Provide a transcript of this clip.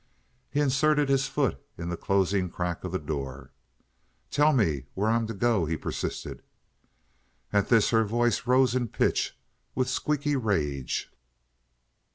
He inserted his foot in the closing crack of the door. "Tell me where I'm to go?" he persisted. At this her voice rose in pitch, with squeaky rage.